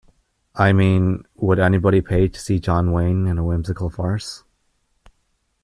I mean, would anybody pay to see John Wayne in a whimsical farce?